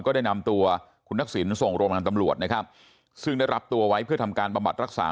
ก็ได้นำตัวคุณทักษิณส่งโรงพยาบาลตำรวจนะครับซึ่งได้รับตัวไว้เพื่อทำการบำบัดรักษา